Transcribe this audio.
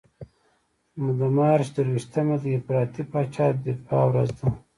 د مارچ درویشتمه د افراطي پاچا د دفاع ورځ ده.